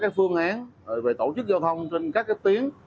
các phương án về tổ chức giao thông trên các tiến